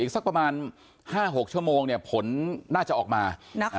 สักประมาณ๕๖ชั่วโมงเนี่ยผลน่าจะออกมานะคะ